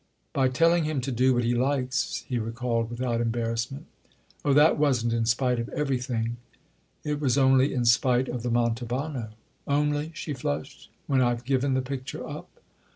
"By telling him to do what he likes?" he recalled without embarrassment. "Oh, that wasn't in spite of 'everything'—it was only in spite of the Manto vano." "'Only'?" she flushed—"when I've given the picture up?"